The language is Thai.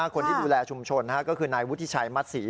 คนที่ดูแลชุมชนก็คือนายวุฒิชัยมัดศรี